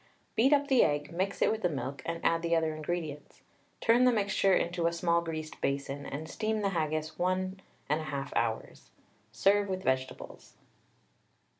Beat up the egg, mix it with the milk, and add the other ingredients. Turn the mixture into a small greased basin, and steam the haggis 1 1/2 hours. Serve with vegetables.